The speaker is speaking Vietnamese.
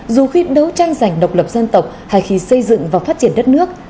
dù khi đấu tranh giành độc lập dân tộc hay khi xây dựng và phát triển đất nước